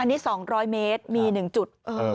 อันนี้๒๐๐เมตรมี๑จุด